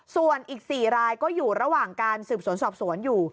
ส่วนอีก๔รายก็อยู่ระหว่างการสืบสวนสอบสวนอยู่